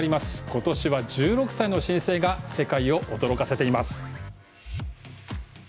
今年は１６歳の新星が世界を驚かせています。